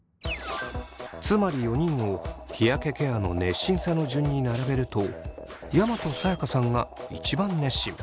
つまり４人を日焼けケアの熱心さの順に並べると山戸さやかさんが一番熱心。